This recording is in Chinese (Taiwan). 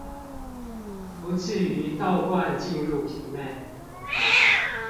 不致於倒灌進入瓶內